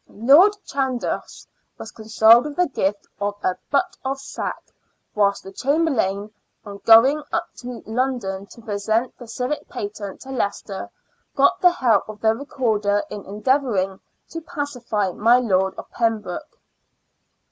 Lord Chandos was consoled with the gift of a butt of sack, whilst the Chamberlain, on going up to London to present the civic patent to Leicester, got the help of the Recorder in endeavouring to " pacify my Lord of Pembroke."